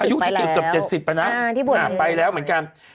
อายุที่เกี่ยวกับเจ็ดสิบไปแล้วนะไปแล้วเหมือนกัน